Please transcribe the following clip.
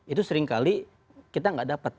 itu seringkali kita nggak dapat